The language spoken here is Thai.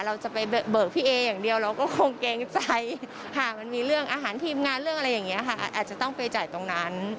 เราจะไปเบิกพี่เอย์อย่างเดียว